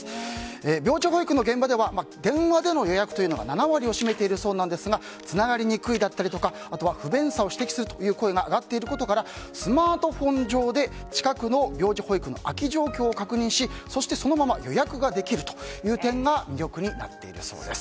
病児保育の現場では電話での予約というのが７割を占めているそうなんですがつながりにくいだったりとかあとは不便さを指摘するという声が上がっていることからスマートフォン上で近くの病児保育の空き状況を確認し、そしてそのまま予約ができるという点が魅力になっているそうです。